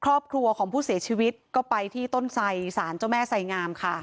ครอบครัวของผู้เสียชีวิตก็ไปที่ต้นไสสารเจ้าแม่ไสงามค่ะ